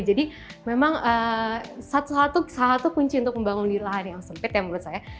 jadi memang salah satu kunci untuk membangun lahan yang sempit ya menurut saya